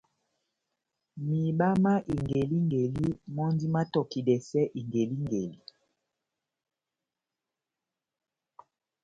Mihiba má ingelingeli mɔ́ndi mátɔkidɛsɛ ingelingeli.